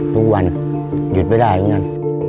ทุกวันหยุดไปได้ทุกวันนั้น